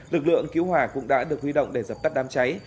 lực lượng cứu hỏa cũng đã được huy động để dập tắt đám cháy